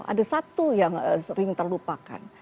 ada satu yang sering terlupakan